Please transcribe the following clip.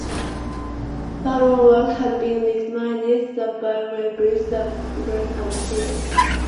Baron's work had been recognized by the Webbys, the Vloggies and Streamys.